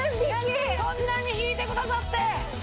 そんなに引いてくださって！